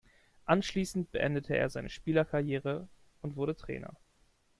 Anschließend beendete er seine Spielerkarriere und wurde Trainer.